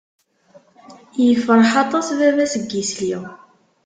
Ifreḥ aṭas baba-s n yisli.